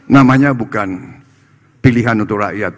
namanya bukan pilihan untuk rakyat